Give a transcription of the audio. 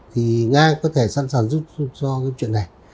thì nga có thể sẵn sàng giúp cho cái chuyện này